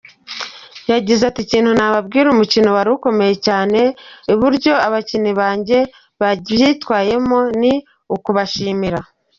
Yagize ati “Ikintu nababwira umukino wari ukomeye cyane, uburyo abakinnyi banjye babyitwayemo ni ukubashimira.